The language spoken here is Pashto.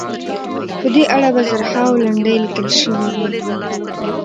په دې اړه به زرهاوو لنډۍ لیکل شوې وي.